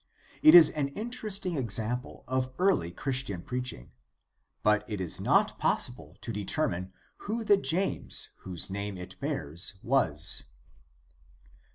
It is an interesting example of early Christian preaching, but it is not possible to determine who the James whose name it bears was.